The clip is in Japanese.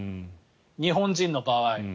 日本人の場合。